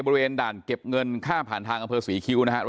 บริเวณด่านเก็บเงินค่าผ่านทางอำเภอศรีคิ้วนะฮะ